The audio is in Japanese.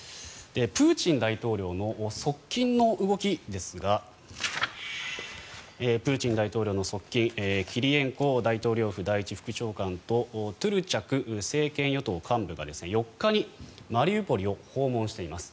プーチン大統領の側近の動きですがプーチン大統領の側近キリエンコ大統領府第１副長官とトゥルチャク政権与党幹部が４日にマリウポリを訪問しています。